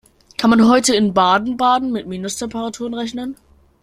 Kann man heute in Baden-Baden mit Minustemperaturen rechnen?